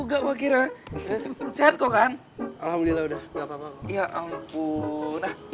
jika senyummu tak menghiasi